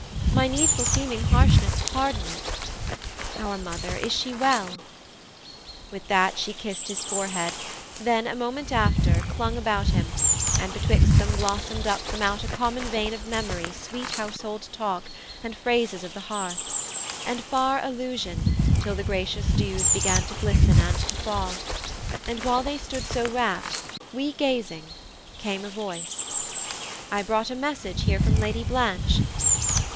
My needful seeming harshness, pardon it. Our mother, is she well?' With that she kissed His forehead, then, a moment after, clung About him, and betwixt them blossomed up From out a common vein of memory Sweet household talk, and phrases of the hearth, And far allusion, till the gracious dews Began to glisten and to fall: and while They stood, so rapt, we gazing, came a voice, 'I brought a message here from Lady Blanche.'